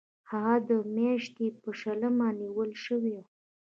هغه د می میاشتې په شلمه نیول شوی و.